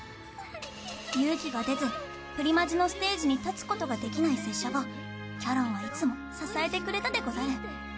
勇気が出ずプリマジのステージに立つことができない拙者をキャロンはいつも支えてくれたでござる。